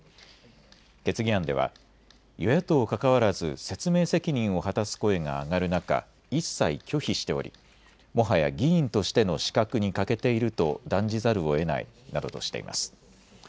決議案では与野党かかわらず説明責任を果たす声が上がる中、一切拒否しておりもはや議員としての資格に欠けていると断じざるをえないなどとしています。